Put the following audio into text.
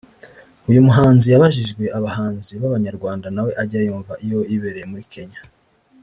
uyu muhanzi yabajijwe abahanzi b’abanyarwanda nawe ajya yumva iyo yibereye muri Kenya